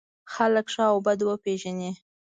خلک ښه او بد وپېژني.